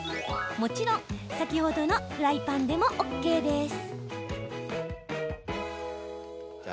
もちろん先ほどのフライパンでもＯＫです。